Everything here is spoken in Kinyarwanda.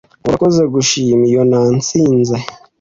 urakoze gushima iyo natsinze